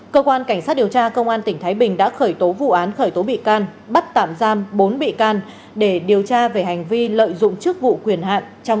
cơ quan cảnh sát điều tra công an tỉnh thái bình đã khởi tố vụ án khởi tố bị can bắt tạm giam bốn bị can để điều tra về hành vi lợi dụng chức vụ quyền hạn